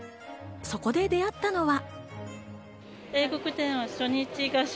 そこで出会ったのは。